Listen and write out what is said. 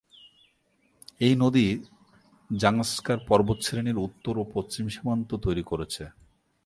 এই নদী জাংস্কার পর্বতশ্রেণীর উত্তর ও পশ্চিম সীমান্ত তৈরী করেছে।